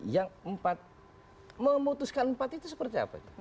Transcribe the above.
yang empat memutuskan empat itu seperti apa itu